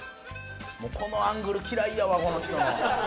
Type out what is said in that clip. このアングル嫌いやわこの人の。